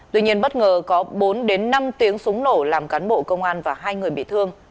tuy nhiên bất ngờ có bốn đến năm tiếng súng nổ làm cán bộ công an và hai người bị thương